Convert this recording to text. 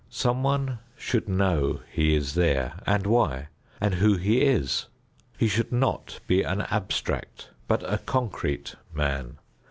Someone should know he is there and why, and who he is. He should not be an abstract, but a concrete man.